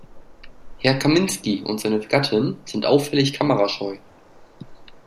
Herr Kaminski und seine Gattin sind auffällig kamerascheu.